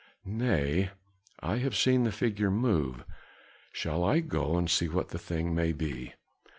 "Nay, I have seen the figure move. Shall I go and see what the thing may be?"